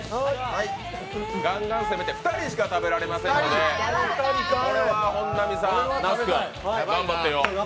二人しか食べられませんのでこれは本並さん、那須君、頑張ってよ。